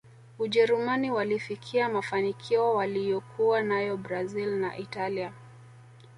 ujerumani walifikia mafanikio waliyokuwa nayo brazil na italia